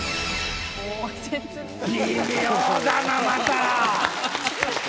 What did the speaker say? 微妙だなまた！